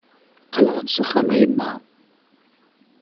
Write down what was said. Qqleɣ-d s axxam a yemma!